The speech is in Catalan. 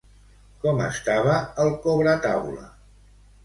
Com estava el cobretaula?